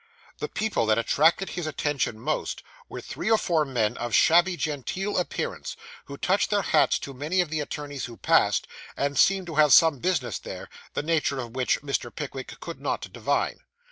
The people that attracted his attention most, were three or four men of shabby genteel appearance, who touched their hats to many of the attorneys who passed, and seemed to have some business there, the nature of which Mr. Pickwick could not divine.